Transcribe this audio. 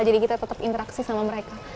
jadi kita tetap interaksi sama mereka